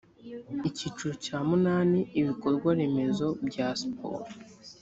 icyiciro cya munani ibikorwaremezo bya siporo